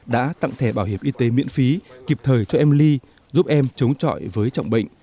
đã tặng thẻ bảo hiểm y tế miễn phí kịp thời cho em ly giúp em chống chọi với trọng bệnh